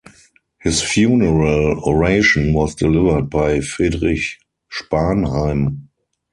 His funeral oration was delivered by Friedrich Spanheim.